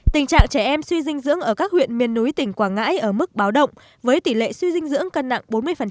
tình trạng trẻ em suy dinh dưỡng ở các huyện miền núi tỉnh quảng ngãi ở mức báo động với tỷ lệ suy dinh dưỡng cân nặng bốn mươi